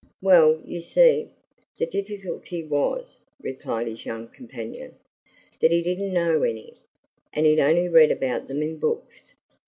"Well, you see, the difficulty was," replied his young companion, "that he didn't know any, and he'd only read about them in books.